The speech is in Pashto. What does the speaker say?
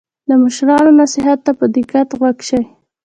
د مشرانو نصیحت ته په دقت غوږ شئ.